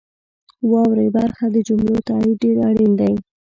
واورئ برخه د جملو تایید ډیر اړین دی.